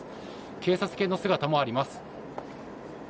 警察犬の姿もあります。